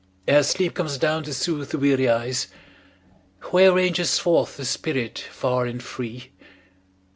Ere sleep comes down to soothe the weary eyes, Where ranges forth the spirit far and free?